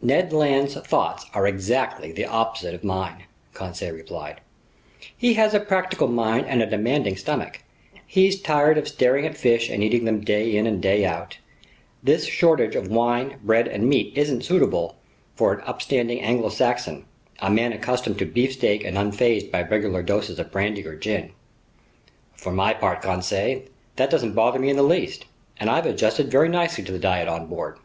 "Ned Land's thoughts are exactly the opposite of mine," Conseil replied. "He has a practical mind and a demanding stomach. He's tired of staring at fish and eating them day in and day out. This shortage of wine, bread, and meat isn't suitable for an upstanding Anglo Saxon, a man accustomed to beefsteak and unfazed by regular doses of brandy or gin!" "For my part, Conseil, that doesn't bother me in the least, and I've adjusted very nicely to the diet on board."